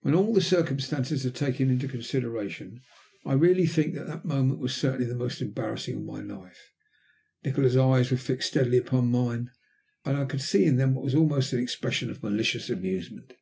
When all the circumstances are taken into consideration, I really think that that moment was certainly the most embarrassing of my life. Nikola's eyes were fixed steadily upon mine, and I could see in them what was almost an expression of malicious amusement.